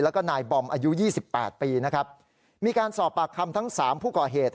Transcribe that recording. แล้วก็นายบอมอายุยี่สิบแปดปีนะครับมีการสอบปากคำทั้งสามผู้ก่อเหตุ